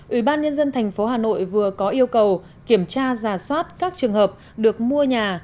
ủy ban nhân dân tp hà nội vừa có yêu cầu kiểm tra giả soát các trường hợp được mua nhà